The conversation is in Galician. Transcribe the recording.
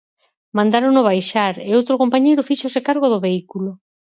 Mandárono baixar, e outro compañeiro fíxose cargo do vehículo.